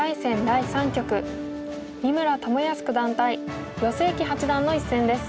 第３局三村智保九段対余正麒八段の一戦です。